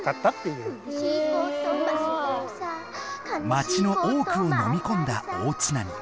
町の多くをのみこんだ大津波。